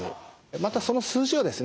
またその数字をですね